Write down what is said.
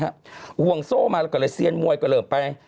ห่วงโซ่มาก็เลยเซียนมวยกระเหลิมไป